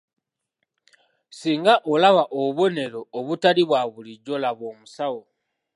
Singa olaba obubonero obutali bwa bulijjo laba omusawo.